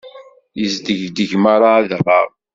Yesdegdeg merra adɣaɣ.